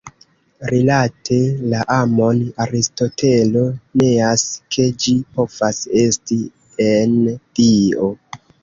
Rilate la amon Aristotelo neas ke ĝi povas esti en Dio.